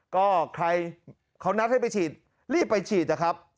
ก็ใครเขานัดให้ไปฉีดรีบไปฉีดนะครับ